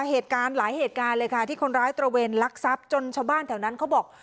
เหตุการณ์หลายเหตุการณ์เลยค่ะที่คนร้ายตระเวนลักทรัพย์จนชาวบ้านแถวนั้นเขาบอก